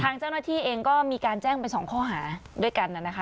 ทางเจ้าหน้าที่เองก็มีการแจ้งไปสองข้อหาด้วยกันนะคะ